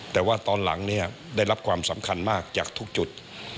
แต่ว่าตอนหลังเนี่ยได้รับความสำคัญมากจากทุกจุด